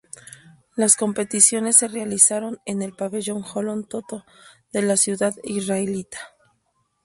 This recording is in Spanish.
Las competiciones se realizaron en el Pabellón Holon Toto de la ciudad israelita.